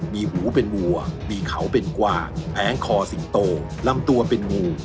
มีหูเป็นวัวมีเขาเป็นกวางแผงคอสิงโตลำตัวเป็นงู